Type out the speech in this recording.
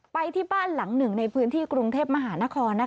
ไปที่บ้านหลังหนึ่งในพื้นที่กรุงเทพมหานคร